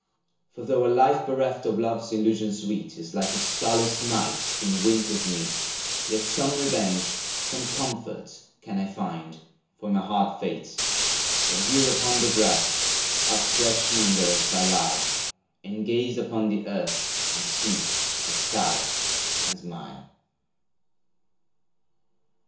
For though A life bereft of love's illusions sweet, Is like a starless night, in winter's midst, Yet some revenge, some comfort can I find For my hard fate, that here upon the grass, Outstretched in indolence I lie, and gaze Upon the earth and sea and sky, and smile.